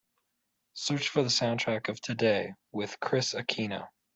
Search for the soundtrack of Today with Kris Aquino